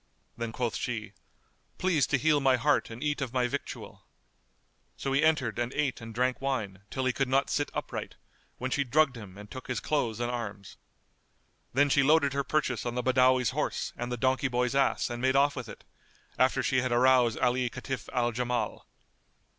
Then quoth she, "Please to heal my heart and eat of my victual," So he entered and ate and drank wine, till he could not sit upright, when she drugged him and took his clothes and arms. Then she loaded her purchase on the Badawi's horse and the donkey boy's ass and made off with it, after she had aroused Ali Kitf al Jamal.